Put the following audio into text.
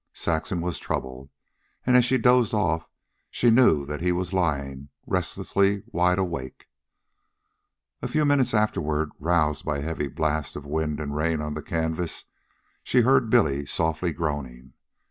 Saxon was troubled, and as she dozed off she knew that he was lying restlessly wide awake. A few minutes afterward, roused by a heavy blast of wind and rain on the canvas, she heard Billy softly groaning.